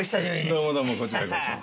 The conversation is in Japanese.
どうもどうもこちらこそ。